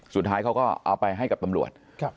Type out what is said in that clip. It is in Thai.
สุดท้ายเขาก็เอาไปให้กับตำรวจ